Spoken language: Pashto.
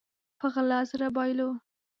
په غلا زړه بايلو